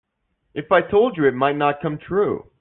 If I told you it might not come true.